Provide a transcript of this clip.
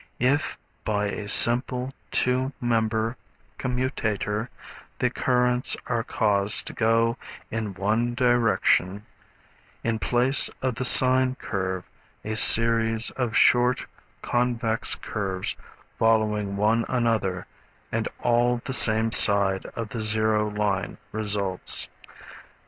If by a simple two member commutator the currents are caused to go in one direction, in place of the sine curve a series of short convex curves following one another and all the same side of the zero line results.